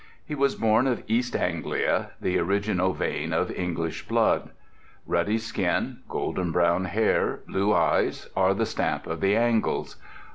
He was born of East Anglia, the original vein of English blood. Ruddy skin, golden brown hair, blue eyes, are the stamp of the Angles.